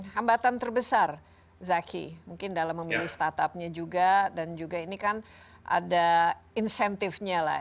hambatan terbesar zaki mungkin dalam memilih startupnya juga dan juga ini kan ada insentifnya lah